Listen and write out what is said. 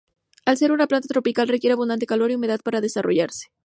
Al ser una planta tropical requiere abundante calor y humedad para desarrollarse.